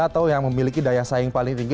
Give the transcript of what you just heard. atau yang memiliki daya saing paling tinggi